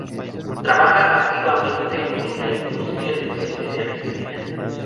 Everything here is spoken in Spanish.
Trabaja activamente en la industria del cine de Argentina.